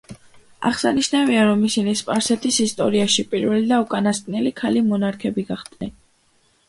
აღსანიშნავია, რომ ისინი სპარსეთის ისტორიაში პირველი და უკანასკნელი ქალი მონარქები გახდნენ.